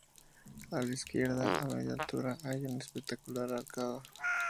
A la izquierda, a media altura, hay una espectacular arcada.